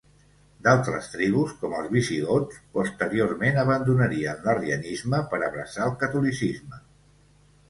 D'altres tribus, com els visigots, posteriorment abandonarien l'arrianisme per abraçar el catolicisme.